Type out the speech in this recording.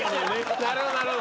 なるほどなるほど。